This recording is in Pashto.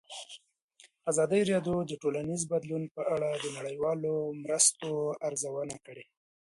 ازادي راډیو د ټولنیز بدلون په اړه د نړیوالو مرستو ارزونه کړې.